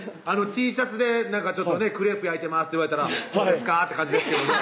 Ｔシャツで「クレープ焼いてます」って言われたら「そうですか」って感じですけどね